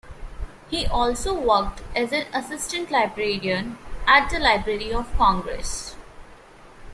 He also worked as an assistant librarian at the Library of Congress.